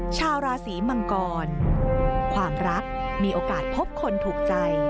ชาวราศีมังกรความรักมีโอกาสพบคนถูกใจ